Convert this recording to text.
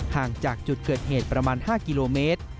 ห่างจากจุดเกิดเหตุประมาณ๕กิโลเมตร